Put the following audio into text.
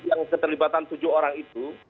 yang keterlibatan tujuh orang itu